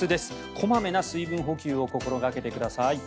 小まめな水分補給を心掛けてください。